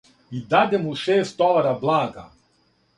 И даде му шест товара блага: